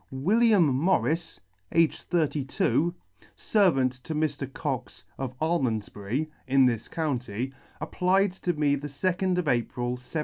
WILLIAM MORRIS, aged thirty two, fervant to Mr. Cox of Almonfbury, in this county, applied to me the 2d of April, 1798.